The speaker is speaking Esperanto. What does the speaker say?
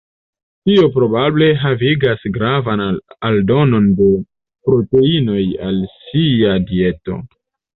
Tio probable havigas gravan aldonon de proteinoj al sia dieto.